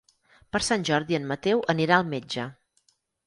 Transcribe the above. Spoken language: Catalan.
Per Sant Jordi en Mateu anirà al metge.